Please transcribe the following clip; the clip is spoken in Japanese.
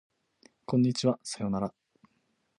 こんにちはさようなら